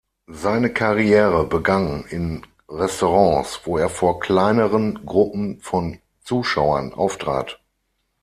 Seine Karriere begann in Restaurants, wo er vor kleineren Gruppen von Zuschauern auftrat.